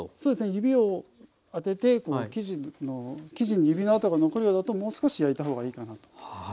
指を当てて生地に指の跡が残るようだともう少し焼いたほうがいいかなと。